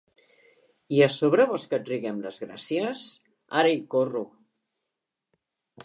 I a sobre vols que et riguem les gràcies? Ara hi corro!